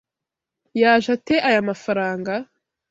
Yaje ate aya mafaranga?